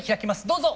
どうぞ！